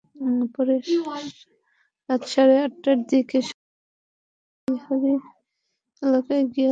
পরে রাত সাড়ে আটটার দিকে শহরের সুইহারী এলাকায় গিয়ে অজ্ঞান হয়ে যায়।